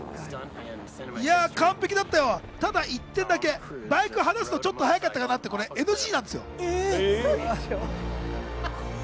完璧だったよ、ただ一点だけ、バイク離すのちょっと早かったかなって、ＮＧなんですよ。